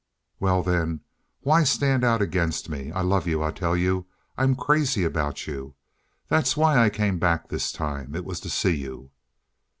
"Well, then, why stand out against me? I love you, I tell you—I'm crazy about you. That's why I came back this time. It was to see you!"